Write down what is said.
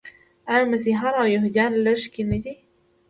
آیا مسیحیان او یهودان لږکي نه دي؟